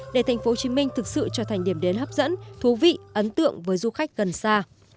để thành phố hồ chí minh thực sự trở thành điểm đến hấp dẫn thú vị ấn tượng với du khách gần xa